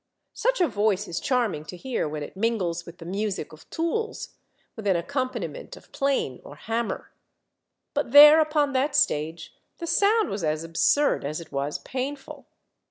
Such a voice is charming to hear when it mingles with the music of tools, with an accompaniment of plane or hammer. But there upon that stage the sound was as absurd as it was painful.